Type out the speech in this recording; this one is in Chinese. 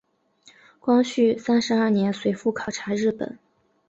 光绪三十二年随父考察日本。